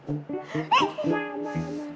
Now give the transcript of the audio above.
aduh suka berani